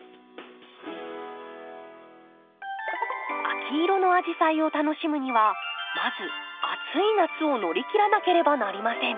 秋色のアジサイを楽しむにはまず暑い夏を乗り切らなければなりません。